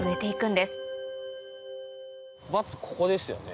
まずここですよね。